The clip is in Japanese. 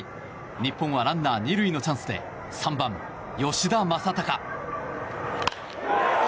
日本はランナー２塁のチャンスで３番、吉田正尚。